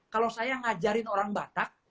kalau saya ngajarin orang batak